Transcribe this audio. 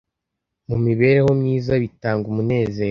mu mibereho myiza bitanga umunezero